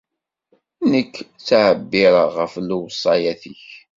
Nekk ttɛebbireɣ ɣef lewṣayat-ik.